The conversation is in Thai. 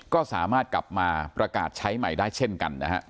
ก็สามารถกลับมาประกาศใช้ใหม่ได้เช่นกันนะฮะ